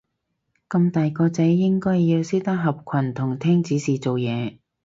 咁大個仔應該要識得合群同聽指示做嘢